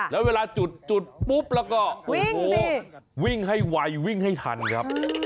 แล้วเวลาจุดปุ๊บแล้วก็โอ้โหวิ่งให้ไววิ่งให้ทันครับ